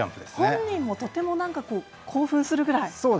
本人もとても興奮するくらい。